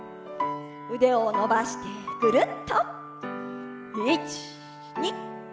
腕を伸ばしてぐるっと。